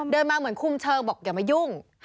เดินมาเหมือนคุมเชิงบอกอย่ามายุ่ง